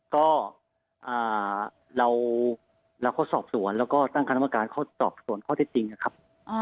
ก็เราก็สอบสวนแล้วก็ตั้งคณะกรรมการเขาสอบสวนข้อเท็จจริงนะครับ